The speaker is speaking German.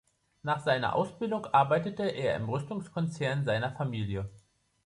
Nach seiner Ausbildung arbeitete er im Rüstungskonzern seiner Familie.